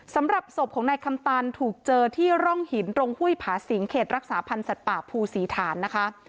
สำหรับศพของนายคำตันถูกเจอที่ร่องหินตรงห้วยผาสิงเขตรักษาพันธ์สัตว์ป่าภูศรีฐานนะคะ